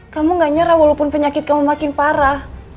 kamu gak nyerah walaupun penyakit kamu makin parah